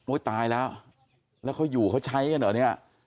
โอ้ยตายแล้วแล้วเขาอยู่เขาใช้เนี้ยะเนี้ย